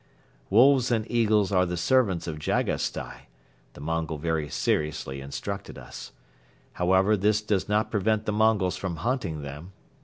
Wolves and eagles are the servants of Jagasstai, the Mongol very seriously instructed us. However, this does not prevent the Mongols from hunting them.